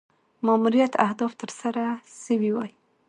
ماموریت اهداف تر سره سوي وای.